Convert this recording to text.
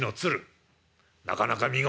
なかなか見事だな」。